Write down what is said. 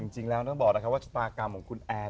จริงแล้วต้องบอกนะครับว่าชะตากรรมของคุณแอน